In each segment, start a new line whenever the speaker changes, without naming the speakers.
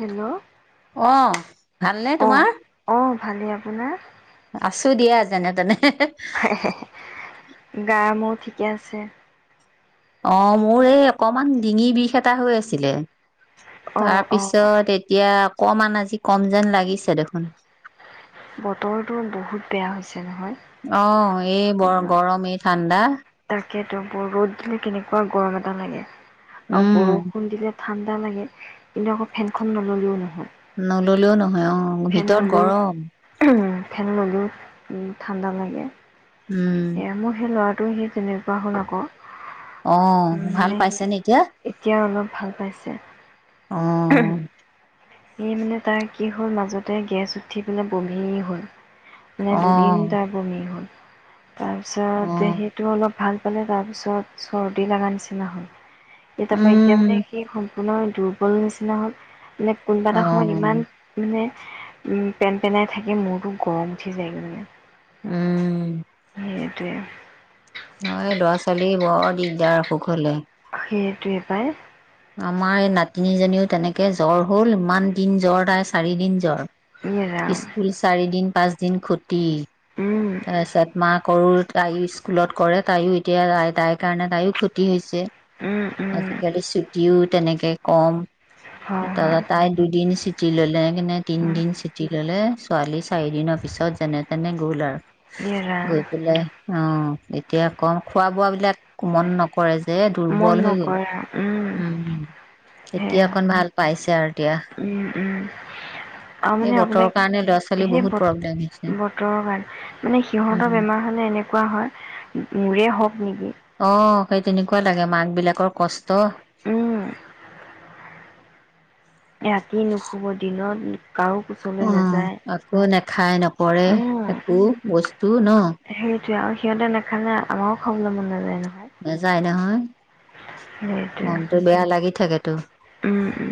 Hello
অহ ভালনে তোমাৰ
ভালনে আপোনাৰ
আছো দিয়া যেনে তেনে
গা মুৰ ঠিকে আছে
অ মোৰ এই অকমান ডিঙি বিষ এটা হৈ আছিলে
অঁ অঁ
তাৰপিছত এতিয়া অকণমন আজি কম যেন লাগিছে দেখোন
বতৰটো বহুত বেয়া হৈছে নহয়
অ এই বৰ গৰম এই ঠাণ্ডা
তাকেইতো বৰ ৰ'দ দিলে কেনেকুৱা গৰম এটা লাগে আৰু
উম,
বৰষুণ দিলে ঠাণ্ডা লাগে কিন্তু আকৌ ফেনখন নল'লেও নহয়
নললেও নহয় অ
ফেন
ভিতৰত
ল'লেও
গৰম
ফেন ল'লেও ঠাণ্ডা লাগে
উম,
এয়া মোৰ সেই ল'ৰা টো সি তেনেকুৱা হ'ল আক
অ ভাল পাইছে নে এতিয়া
এতিয়া অলপ ভাল পাইছে
অ',
উ এ মানে তাৰ কি হ'ল মাজতে গেছ উঠি পিনে বমি হ'ল মানে দুদিন
অ',
তাৰ বমি হ'ল তাৰপিছত
অ',
সি আৰু অলপ ভাল পালে তাৰপিছত চৰ্দি লগা নিচিনা হ'ল এতিয়া প্ৰগিয়া মানে
উম,
কি হ'ল আপোনাৰ দুৰ্বল নিচিনা হ'ল মানে কোনোবা এটা সময়ত
অ',
ইমান মানে উম পেন পেনাই থাকে মূৰটো গৰম উঠি যায় মানে
উম
সেইটোৱে
অ এই ল'ৰা ছোৱালী বৰ দিগদাৰ অসুখ হ'লে
সেইটোৱে পাই
আমাৰ এই নাতিনীজনীও তেনেকে জ্বৰ হ'ল ইমান দিন জ্বৰ তাই চাৰি দিন
ইয়ে ৰাম।
জ্বৰ স্কুল চাৰি দিন পাঁচদিন খতি তি
উম,
তাৰপিছত মাক কৰো তাই স্কুলত কৰে তাইয়ো এতিয়া তাই তাইৰ কাৰণে তাইয়ো খতি হৈছে
উম, উম,
আজিকালি তেনেকে কম
হয়,
ত
হয়,
তাই দুদিন স্কুল চুটি ল'লে কেনে
উম,
তিনদিন চুটি ল'লে ছোৱালী চাৰিদিনৰ পিছত যেনে তেনে গ'ল আৰু
ইয়ে ৰাম।
গৈ পেলাই অ এতিয়া কম খোৱা বোৱা বিলাক মন নকৰে যে
মন
দুৰ্বল হৈ গ'ল
নকৰে উম
উম এতিয়া
সেয়া
অকণ ভাল পাইছে আৰু এতিয়া
উম, উম, আৰু
এই
মানে
বতৰৰ
আপোনাক
কাৰণে ল'ৰা ছোৱালী
সেই
বহুত প্ৰব্লেম হৈছে
বত বতৰৰ কাৰণে মানে সিহঁতৰ
উম
বেমাৰ হ'লে এনেকুৱা হয় মোৰে হওঁক নেকি
অ সেই তেনেকুৱা লাগে মাক বিলাকৰ কষ্ট
উম ৰাতি নুশুব দিনত কাৰো কোচলৈ
অ
নাযায়
আকৌ নেখাই নপঢ়ে একো বস্তু ন
সেইটোয়ে আৰু সিহঁতে নেখালে আমাৰো খাবলে মন নেযায় ন
নেযায় নহয় মনটো
সেইটোৱে
বেয়া লাগি থাকেতো
উম উম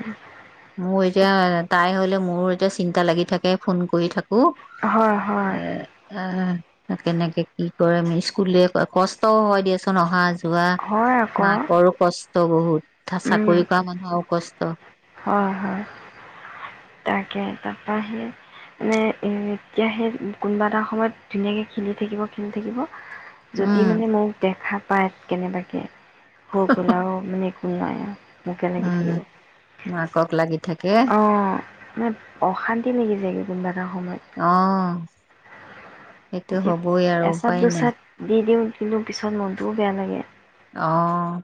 মোৰ এতিয়া তাই হলে মোৰো এতিয়া চিন্তা লাগি থাকে ফোন কৰি থাকো
হয় হয়
এ কেনেকে কি কৰে স্কুলে কষ্টও হয় দিয়া অহা যোৱা
হয় আকৌ
মাকৰো কষ্ট কষ্ট বহুত। থা,
উম
চাকৰি কৰা মানুহৰ আৰু কষ্ট।
হয়, হয়। এয়া। তাৰপৰা হেই, মানে এতিয়া হেই কোনোবা এটা সময়ত ধুনীয়াকৈ খেলি থাকিব, খেলি থাকিব যদি
উম
মানে মোক দেখা পায় কেনেবাকে সৌ গোলাও মানে [unintelligible]
উম।
থাকিব
মাকক লাগি থাকে।
[inaudible] অশান্তি লাগি যায়গৈ কোনবা
অ', সেইটো
যে
হ'বই আৰু
এচাত
উপায় নাই।
দুচাত দি দিওঁ কিন্তু পিছত মনটোও বেয়া লাগে।
অ'।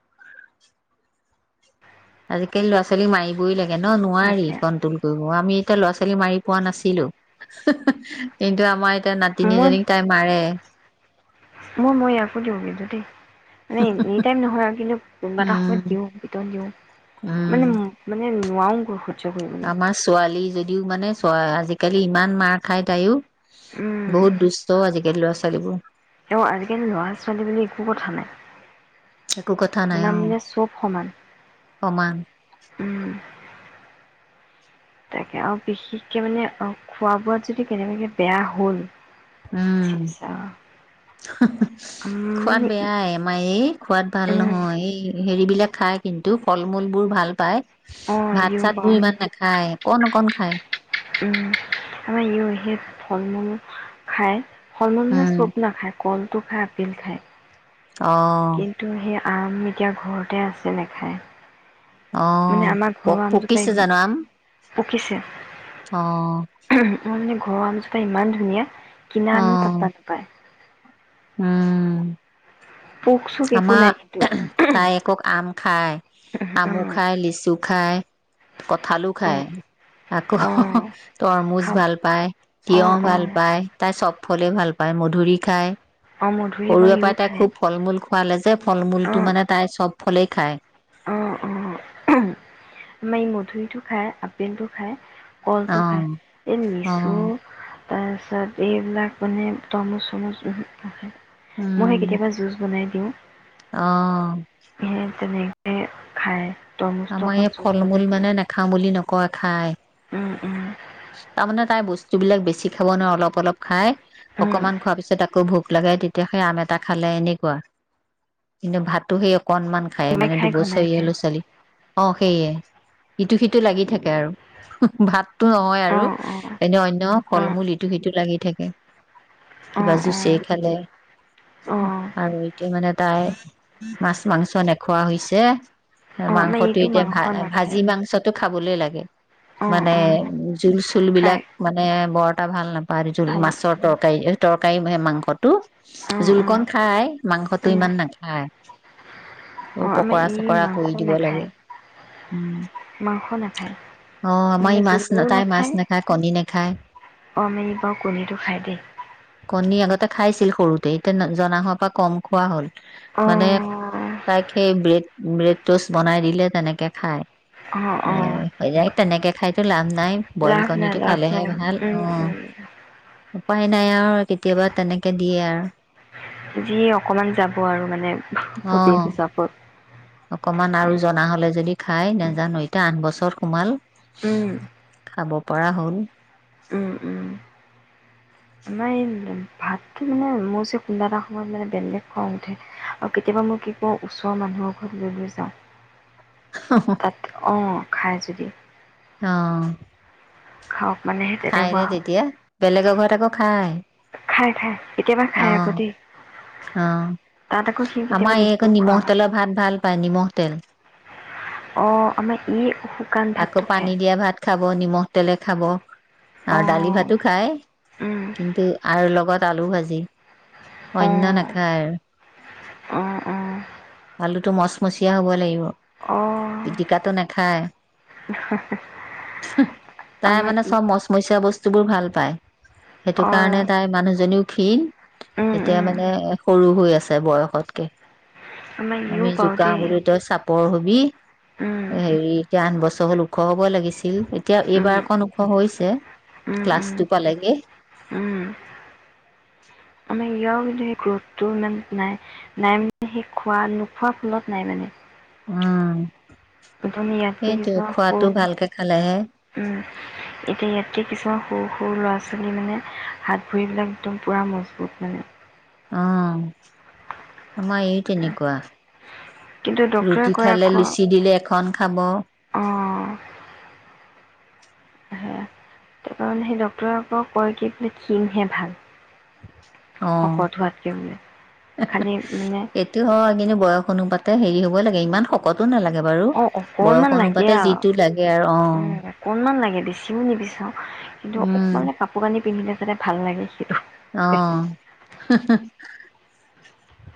আজিকালি ল'ৰা-ছোৱালী মৰিবই লাগ ন-নোৱাৰি
তাকে
কণ্ট্ৰল কৰি আমি এতিয়া ল'ৰা-ছোৱালী মাৰি পোৱা নাছিলোঁ। কিন্তু আমাৰ এতিয়া
মই
নাতিনীজনীক তাই মাৰে।
মই, মই, ইয়াকো দিওঁ কিন্তু দেই। মানে, এনি টাইম নহয় আৰু কিন্তু কোনোবা এটা
উম,
সময়ত দিওঁ। পিতন দিওঁ।
উম,
মানে, মানে নোৱাৰোঁ গৈ [unintelligible]
আমাৰ ছোৱালী যদিও মানে আজিকালি ইমান মাৰ খায় তাইয়ো। বহুত দু ত আজিকালি ল'ৰা ছোৱালীবোৰ
এ আজিকালি ল'ৰা ছোৱালী বুলি একো কথা নাই।
একো কথা নাই
আপোনাৰ
অ'
মানে চব সমান
সমান।
তাকে আৰু বিশেষকে মানে খোৱা বোৱাত যদি কেনেবাকে বেয়া হ'ল।
উম। [inaudible] খোৱাত বেয়াই আমাৰ এই খোৱাত ভাল নহয় এই। হেৰিবিলাক খাই কিন্তু ফল মূল বোৰ ভাল পায়। ভাত চাত বোৰ ইমান নাখায় কন অকন খায়।
উম আমাৰ সে ফল মূল খাই। ফল মলুহে চব নাখায়। কলটো খাই, আপেল খায়।
আহ
কিন্তু সেই আম এতিয়া ঘৰতে আছে নেখায়। মানে আমাৰ ঘৰ আম জোপাই
পকিছে জানো আম?
পকিছে
অ',
উহু মানে ঘৰৰ আমজোপা ইমান ধুনীয়া কিনা আমো
অ',
পত্তা নাপায়।
উম
পোক চোক একো
আমাৰ
নাই কিন্তু
তাই আক আম খায়
অ
আমু খায় লিচু খায়। কঠালো
অ
খাই আকৌ
অ
তৰমুজ
খাব
ভাল পায়
অ
তিঁয়হ
অ
ভাল পায় তাই চব। ফলে ভাল পায় মধুৰি খায়।
অ মধুৰি বাৰু
সৰুৰে
ইও
পৰাই তাই
খায়
খুব ফল মূল খোৱালে যে ফল
অ
মূলটো মানে তাই চব। ফলেই খায়।
অ অ আমাৰ ই মধুৰীটো খাই আপেল টো খায়। কলটো
অ',
খায় এই লিচু
অ',
তাৰপিছত এইবিলাক মানে তৰমুচ চৰমুচ মই সেই
উম,
কেতিয়াবা জুচ বনাই দি। তো
অ হ
এ খায়। তৰমুজটো
আমাৰ
অকণ
এই
জুচ
ফল মূল
বনাই দিওঁ।
মানে নাখাও বুলি নকয়। খায়।
উম, উম,
তামানে তাই বস্তু বস্তুবিলাক বেছি খাব নোৱাৰে অলপ অলপ খাই।
উম,
অকমান খোৱাৰ পিছত আকৌ ভোক ভোক লাগে তেতিয়া সেই আম এটা খালে এনেকুৱা কিন্তু ভাতটো সেই অকনমান খায়
ঘনাই
মানে
ঘনাই
দুবছৰিয়া
খায়।
ছোৱালী অ সেইয়ে ইিটো সিটো লাগি থাকে আৰু ভাত। টো নহয় আৰু
অ', অ',
এনে অনন্য
অ',
ফল
অ',
মূল হিটো সিটো লাগি। ঠিকে কিবা
অ',
জুচেই
অ',
খালে
অ',
আৰু এতিয়া মানে তাই মাছ মাংস নেখোৱা হৈছে।
আমাৰ
মাংসটো
এইটো
এতিয়া ভা
মাংস
ভাজি
নাখায়।
মাংসতটো খাবলৈ লাগে। গে
অ',
মানে
অ',
জোল চুল বিলাক
ফ্ৰাই
মানে? বৰ এটা ভাল নেপ পাৰ জোল
ভাল
মাছৰ তৰকাৰী তৰকাৰী মাংসটো
অ',
জোলকণ
অ',
খাই মাংসটো
উম,
ইমান নাখায়। অ'
আমাৰ
পকৰা
ই
চকৰা
মাংস
দিব
নাখায়
লাগে উম
মাংস নাখায়
অ আমাৰ
মে
ই মাছ
জলো
তাই মাছ
নাখায়
কণী নাখায়
অম বাৰু কণীটো খায় দেই।
কণী আগতে খাইছিল সৰুতে এতিয়া জনা হ পৰা কম খোৱা হ'ল।
অ
মানে তাইক বেত‌ বেত জোচ বনাই দিলে তেনেকে খায়
অ
এ
অ
হৈ যায় তেনেকে খাইতো লাভ নাই বইল
লাভ নাই
কণীটো
লাভ
খালেহে
নাই
ভাল
উম
অ'।
উম
উপায় নাই আৰু কেতিয়াবা তেনেকে দিয়ে আৰু।
যিয় অকণমান যাব আৰু মানে।
অ
পুটিন হিচাপত
অকমান আৰু জনা হলে যদি খাই নাজানো এতিয়া আঠ বছৰত সোমাল
উম
খাব পৰা হ'ল।
উম উম ভাতকৈ মানে মোৰ যে কোনোবা এটা সময়ত মানে বেলেলেগ খং উঠে আৰু কেতিয়াবা মই কি কৰো ওচৰৰ মানুহৰ ঘৰত লৈ লৈ যাওঁ। তাত অ'। খায় যদি।
অ'।
খাওঁক।
খাইনে তেতিয়া বেলেগৰ ঘৰত আকৌ খাই।
খাই খাই। কেতিয়াবা খাই আকৌ দেই
অ'
তাত আকৌ সি
অ'
কেতিয়াবা
আমাৰ
নিজেও
এই
খোৱা
নিমখ
হয়
তেলৰ ভাত ভাল পায় নিমখ তেল।
অ' আমাৰ ই শুকান
আকৌ
ভাতটো
পানী
খায়।
দিয়া ভাত খাব। নিমখ তেলে খাব। আৰু দালি
অ',
ভাতো খাই
উম,
কিন্তু আৰু লগত আলু ভাজি অন্য
অ',
নাখায়।
অ', অ',
আলুটো মচমচীয়া হব লাগিব
অ',
পিটিকাটো নাখায়। [inaudible] তাই
আমাৰ
মানে
ই
চব মচমচীয়া বস্তু বস্তুবোৰ ভাল পায় সেইটো কাৰণে
অ',
তাই মানুহজনীও ক্ষীণ
উম,
এতিয়া
উম,
মানে সৰু হৈ আছে বয়সতকে।
আমাৰ ইও
আমি
বাৰু
জোকা
দেই।
বোলো তেওঁ চাপৰ হবি
উম,
হেৰি এতিয়া আন বছৰ লৱ ওখ হ'বই লাগিছিল। এতিয়াও এইবাৰ
উম,
অকণ ওখ হৈ হৈছে।
উম, উম,
ক্লাছটো পালেগে।
ম ইয়ও কিন্তু সেই গ্ৰথটো ইমান নাই-নাই মানে সেই খোৱা, নোখোৱাৰ ফলত নাই মানে।
উম
প্ৰথমি ইয়াতকে
সেইটোৱে
কিছুমান সৰু
খোৱাটো ভালকে খালেহে
উম', এতিয়া ইয়াত এতিয়া কিছুমান সৰু-সৰু ল'ৰা-ছোৱালী মানে হাত ভৰিবিলাক একদম পুৰা মজবুত। হয়ে।
অ', আম এই তেনেকোৱা।
কিন্তু ডক্তৰে
ৰুটি
কয়
খালে
আকৌ
লুচি দিলে, এখন খাব।
তকাৰে সেই ডাক্তৰে পৰা কয় কি বোলে খিনহে ভাল।
অ',
শকত হোৱাতকে বোলে। খালি মানে
সেইটো হয় কিন্তু বয়স অনুপাত ত হেৰি হ'ব লাগে ইমান শকতো নালাগে। বাৰু
অ',
বয়স
অকনমান লাগে
অনুপাতে
আৰু
যিটো লাগে আৰু
অ', অকনমান লাগে বেছিও নিবিচাৰো কিন্তু অকনমান লাগে কাপোৰ কানি পিন্ধিলে যাতে ভাল লাগে। সেইটো
আহ।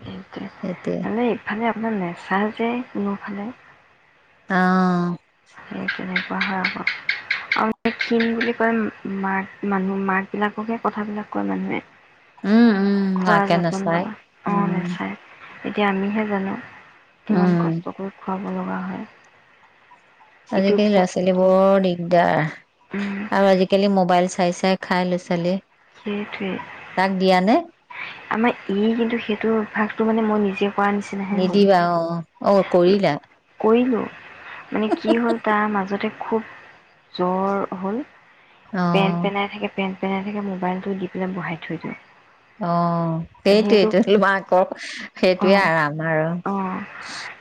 স মানে ইফালে আপোনাৰ নেচা যে মোৰফালে।
অ'।
সেই তেনেকুৱা হয় আকৌ আৰু ক্ষীণ বুলি কয়, মাক মানুহ মাক বিলাককে কথাবিলাক কয় মানুহে।
উম উম
খোৱা
মাকে
যতন
নাচায়
লয় অ',
উম
নাচাই। এতিয়া আমিহে জানো
উম
কিমান কষ্ট কৰি খাব লগা হয়। ইটোৰ
আজিকালি
পিছত
ল'ৰা-ছোৱালী
সিটো
বৰ দিগদাৰ
উম
আৰু আজিকালি মোবাইল চাইছে চাই খাই লৈ চালি
সেইটোৱে
তাক দিয়া নে?
আমাৰ ই কিন্তু সেইটো ভাগটো মানে মই নিজে কৰা নিচিনাহে হ'ল
নিদিবা অ' অ' কৰিলা।
কৰিলোঁ মানে কি হ'ল তাৰ মাজতে খুব জ্বৰ হ'ল।
অ
পেন পেনাই থাকে, পেন তেনেকেনো মোবাইলটো দি পেলাই বহাই থৈ দিওঁ।
অ',
সেইটো
সেইটোয়েইটো তোম আকৌ সেইটোয়ে
অঁ
আৰামাৰ আৰু
অঁ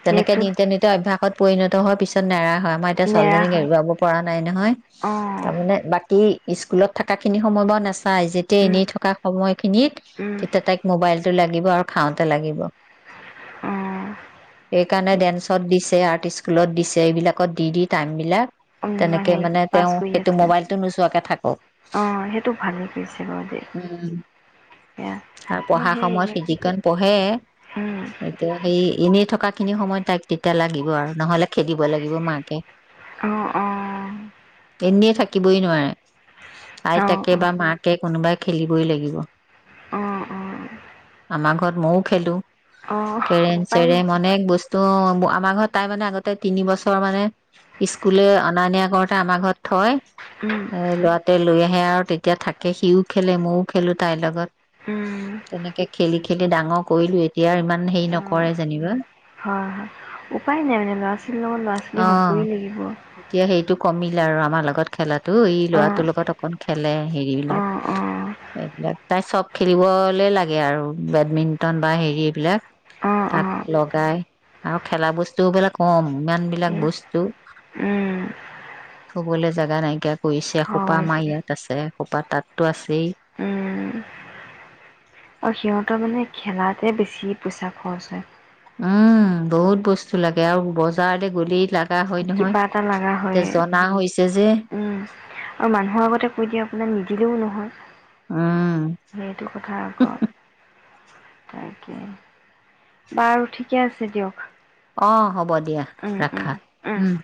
তেনেকে নি
সেইটোত
নিতি অভ্যাসত পৰিণত হোৱাৰ পিছত নো [unintelligible] হয় আমাৰ এতিয়া
নেৰা
ছোৱালীজনীক
হয়
এৰুৱাব পৰা নাই নহয়।
অঁ
তাৰমানে বাকী স্কুলত থকাখিনি সময় বা নাছিল পাই যেতিয়া
উম
এনেই থকা সময়ত
উম
তেতিয়া তাইক মোবাইলটো ল লাগিব আৰু খাওঁতে লাগিব।
অঁ
সেইকাৰণে ডেন্সত দিছে আৰ্ট স্কুলত দিছে এইবিলাকত দি দি টাইমবিলাক তেনেকে
হেৰি
মানে
পাছ
তেওঁ
কৰি
সেইটো
আছে
মোবাইলটো নোচোৱাকে থাকক
অ' সেইটো ভালেই কৰিছে বাৰু দেই। সেয়া
আৰু
মই
পঢ়া সময়ত
সেই
সি যিখন পঢ়ে
উম
এতিয়া সেই এনে থকা খিনি সময়ত তাইক তেতিয়া লাগিব আৰু নহলে খেদিব লাগিব মাকে
অ' অ'।
এনে থাকিবই নোৱাৰে।
অ',
আইতাকে বা মাকে কোনোবাই খেলিবই লাগিব।
অ', অ', অ',
আমাৰ ঘৰত মইয়ো খেলোঁ।
অ',
কেৰেম
উপায়
চেৰেম অনেক বস্তু। তহ আমাৰ ঘৰত তাই মানে আগতে তিনি বছৰ মানে স্কুলে অনা নিয়া কৰোতে আমাৰ ঘৰত থয়।
উম,
এ লোৱাতে লৈ সেয়ে আৰু তেতিয়া থাকে সিও খেলে ময়ো খেলো। তাইৰ লগত।
উম,
তেনেকে খেলি খেলি ডাঙৰ কৰিলো এতিয়া ইমান হেৰি
অ',
নকৰে যেনিবা।
হয় হয় উপায় নাই মানে ল'ৰা ছোৱালীৰ লগত ল'ৰা ছোৱালী
অ
হ'বই লাগিব।
এতিয়া সেইটো কমিলে আৰু আমাৰ লগত খেলে এই
অ',
ল'ৰাটোৰ লগত অকন খেলে হেৰিবিলাক।
অ', অ',
এইবিলাক তাই চব খেলিবলে লাগে আৰু বেডমিণ্টন বা হেৰি এইবিলাক
অ',
তাক
অ',
লগাই আৰু খেলা বস্তু বিলাক কম ইমানবিলাক বস্তু
উম,
থবলে জাগা নাইকিয়া কৰিছে এখোপা
হয়
আমাৰ
দে।
ইয়াত আছে এখোপা তাততো আছেই।
উম, আৰু সিহঁতৰ মানে খেলাতে বেছি পইচা খৰচ হয়।
উম বহুত বস্তু লাগে আৰু বজাৰতে গ'লেই লাগ
কিবা এটা লগা হয়
হৈছে যে
উম আৰু মানুহৰ আগতে কৈ দিয়ে আপোনাৰ নিদিলেও নহয়।
উম
হয়। সেইটো কথা আকৌ তাকে বাৰু ঠিকে আছে দিয়ক।
অ' হ'ব দিয়া
উম উম
ৰাখা উম।